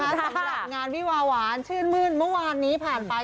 สำหรับงานวิวาหวานชื่นมื้นเมื่อวานนี้ผ่านไป